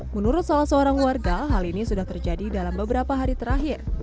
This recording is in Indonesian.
menurut salah seorang warga hal ini sudah terjadi dalam beberapa hari terakhir